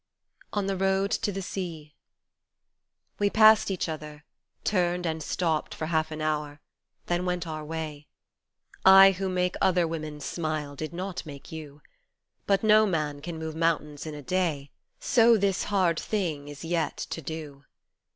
47 ON THE ROAD TO THE SEA WE passed each other, turned and stopped for half an hour, then went our way, I who make other women smile did not make you But no man can move mountains in a day. So this hard thing is yet to do.